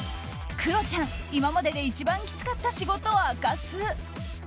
クロちゃん、今までで一番きつかった仕事明かす。